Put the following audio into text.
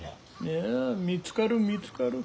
いや見つかる見つかる。